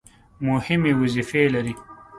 مهمې وظیفې لري.